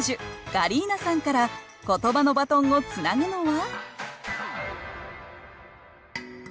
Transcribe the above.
ガリーナさんからことばのバトンをつなぐのは？